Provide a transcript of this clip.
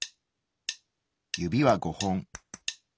指は５本。